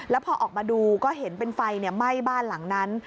แล้วพอออกมาดูก็เห็นเป็นไฟไหม้บ้านหลังนั้น